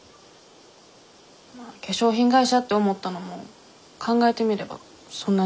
まあ化粧品会社って思ったのも考えてみればそんなに深い理由ないし。